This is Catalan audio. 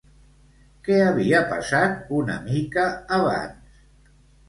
Què havia passat una mica abans?